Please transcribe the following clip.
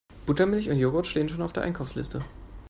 Buttermilch und Jogurt stehen schon auf der Einkaufsliste.